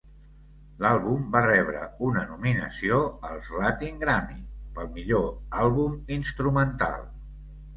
L'àlbum va rebre una nominació als Latin Grammy pel millor àlbum Instrumental.